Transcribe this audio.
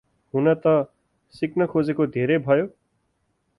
हुन त, सिक्न खोजेको धेरै भयो।